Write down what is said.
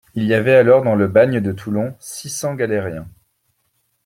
Il y avait alors dans le bagne de Toulon six cents galériens.